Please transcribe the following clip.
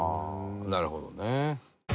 なるほどね。